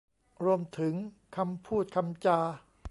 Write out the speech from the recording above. รวมถึงคำพูดคำจา